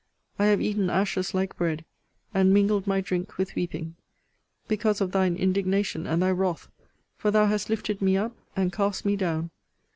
I have eaten ashes like bread; and mingled my drink with weeping: Because of thine indignation, and thy wrath: for thou hast lifted me up, and cast me down.